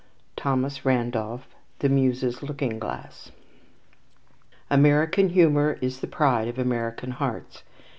THOMAS RANDOLPH, The Muses' Looking Glass. American humour is the pride of American hearts.